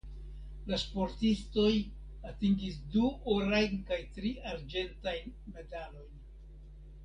La sportistoj atingis du orajn kaj tri arĝentajn medalojn.